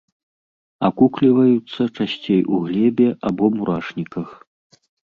Акукліваюцца часцей у глебе або мурашніках.